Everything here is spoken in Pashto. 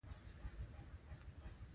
مړه ته د غم وخت دعا نه هېروې